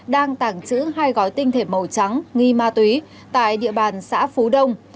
đang tảng chữ hai gói tinh thể màu trắng nghi ma túy tại địa bàn xã phú đông